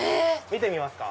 見てみますか？